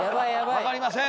分かりません。